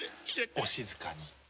お静かに。